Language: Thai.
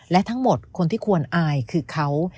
และทั้งหมดคนที่ควรอายคือเขา